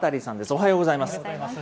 おはようございます。